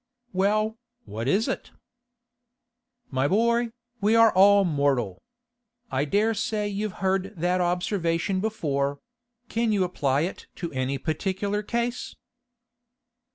'Well, what is it?' 'My boy, we are all mortal. I dare say you've heard that observation before; can you apply it to any particular case?